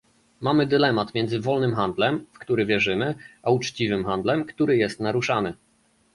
Mamy dylemat między wolnym handlem, w który wierzymy, a uczciwym handlem, który jest naruszany